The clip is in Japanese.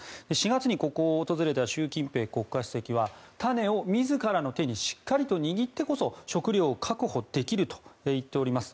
４月にここを訪れた習近平国家主席は種を自らの手にしっかりと握ってこそ食料を確保できると言っております。